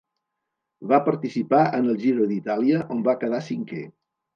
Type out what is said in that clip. Va participar en el Giro d'Itàlia on va quedar cinquè.